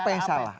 apa yang salah